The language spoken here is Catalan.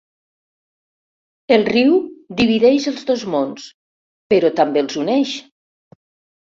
El riu divideix els dos mons, però també els uneix.